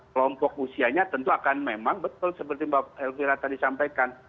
kelompok usianya tentu akan memang betul seperti mbak elvira tadi sampaikan